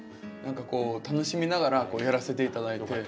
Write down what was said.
何かこう楽しみながらやらせて頂いて。